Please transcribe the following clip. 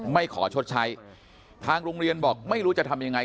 ไม่ขอชดใช้ทางโรงเรียนบอกไม่รู้จะทำยังไง